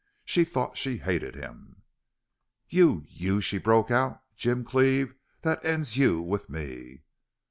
She thought she hated him. "You you " she broke out. "Jim Cleve, that ends you with me!"